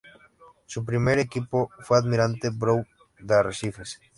Su primer equipo fue Almirante Brown de Arrecifes.